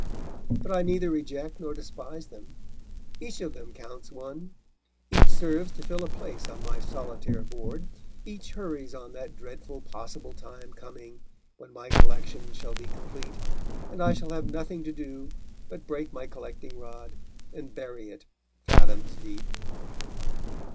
But I neither reject nor despise them; each of them counts one; each serves to fill a place on my solitaire board, each hurries on that dreadful possible time coming when my collection shall be complete, and I shall have nothing to do but break my collecting rod and bury it fathoms deep.